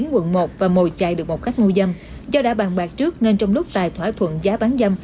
quận một và mồi chạy được một khách mua dâm do đã bàn bạc trước nên trong lúc tài thỏa thuận giá bán dâm